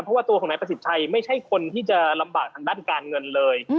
เพราะว่าตัวของนายประสิทธิ์ชัยไม่ใช่คนที่จะลำบากทางด้านการเงินเลย